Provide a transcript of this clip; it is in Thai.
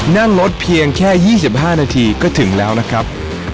นั่งรถเพียงแค่๒๕นาทีก็ถึงแล้วนะครับ